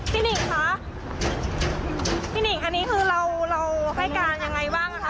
หนิ่งคะพี่หนิ่งอันนี้คือเราให้การยังไงบ้างคะ